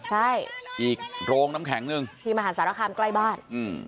ใช่อีกโรงน้ำแข็งหนึ่งที่มหาสารคามใกล้บ้านอืม